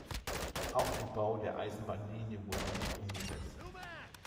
Auch der Bau der Eisenbahnlinie wurde nicht umgesetzt.